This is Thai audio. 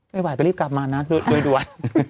ไม่ไหวก็รีบกลับมานะด้วยด่วน